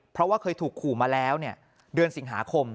เพราะว่าเคยถูกขู่มาแล้วเดือนสิงหาคม